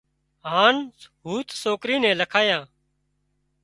هانَ هوٿ سوڪرِي نين لکايان